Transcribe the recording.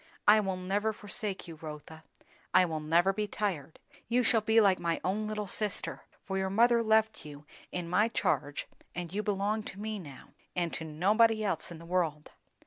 "I will never forsake you, Rotha. I will never be tired. You shall be like my own little sister; for your mother left you in my charge, and you belong to me now, and to nobody else in the world."